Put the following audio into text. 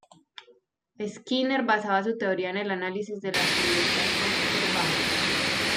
Skinner basaba su teoría en el análisis de las conductas observables.